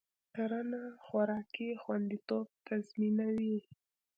کرنه خوراکي خوندیتوب تضمینوي.